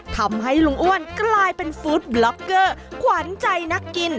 ทำให้ลุงอ้วนกลายเป็นฟู้ดบล็อกเกอร์ขวัญใจนักกิน